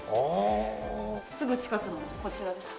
すぐ近くのこちらです。